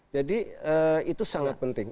jadi itu sangat penting